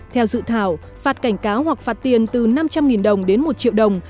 theo dự thảo phạt cảnh cáo hoặc phạt tiền từ năm trăm linh đồng đến một triệu đồng